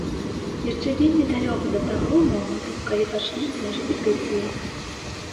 Яшчэ вельмі далёка да таго моманту, калі пачнуцца рэпетыцыі.